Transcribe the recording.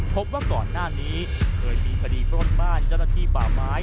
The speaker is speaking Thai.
พบว่าก่อนหน้านี้เคยมีคดีปล้นบ้านเจ้าหน้าที่ป่าไม้